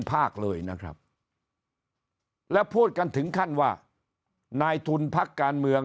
ภาคเลยนะครับแล้วพูดกันถึงขั้นว่านายทุนพักการเมือง